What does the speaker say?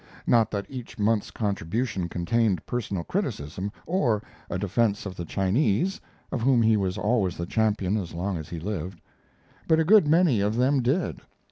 Not that each month's contribution contained personal criticism, or a defense of the Chinese (of whom he was always the champion as long as he lived), but a good many of them did.